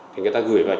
thì người ta gửi vào